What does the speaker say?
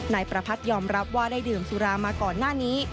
นายประพัทธยอมรับว่าได้ดื่มสุรามาก่อนหน้านี้